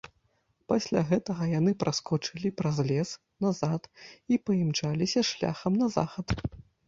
Пасля гэтага яны праскочылі праз лес назад і паімчаліся шляхам на захад.